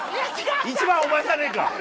一番はお前じゃねえか！